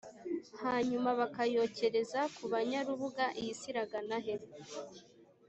hanyuma bakayokereza kubanyarubuga iyi si iragana he?